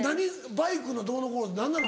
バイクのどうのこうのって何なの？